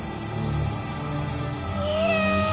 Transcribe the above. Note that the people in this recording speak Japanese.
きれい！